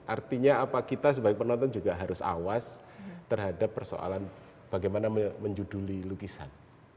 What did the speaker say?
artinya apa kita sebagai penonton juga harus awas terhadap persoalan bagaimana menjuduli lukisan